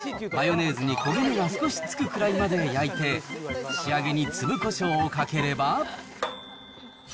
上からさらにマヨネーズをかけて、マヨネーズに焦げ目が少しつくくらいまで焼いて、仕上げに粒こしょうをかければ。